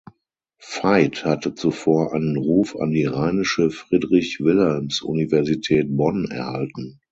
Veit hatte zuvor einen Ruf an die Rheinische Friedrich-Wilhelms-Universität Bonn erhalten.